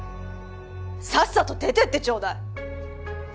さっさと出てってちょうだい！